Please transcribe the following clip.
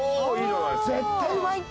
絶対うまいって。